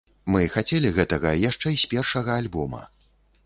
Мы хацелі гэтага яшчэ з першага альбома.